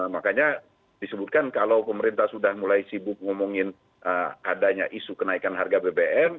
makanya disebutkan kalau pemerintah sudah mulai sibuk ngomongin adanya isu kenaikan harga bbm